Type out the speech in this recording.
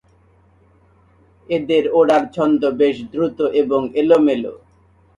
এদের ওড়ার ছন্দ বেশ দ্রুত এবং এলোমেলো।